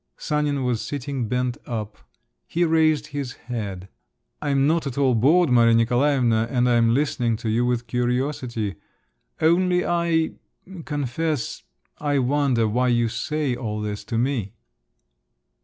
Sanin was sitting bent up. He raised his head. "I'm not at all bored, Maria Nikolaevna, and I am listening to you with curiosity. Only I … confess … I wonder why you say all this to me?"